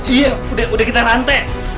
iya udah kita rantai